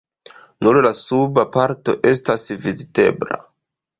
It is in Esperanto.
Nur la suba parto estas vizitebla.